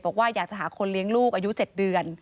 บอกว่าอยากจะหาคนเลี้ยงลูกอายุ๗เดือน